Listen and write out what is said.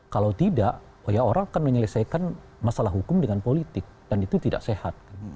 kalau tidak ya orang akan menyelesaikan masalah hukum dengan politik dan itu tidak sehat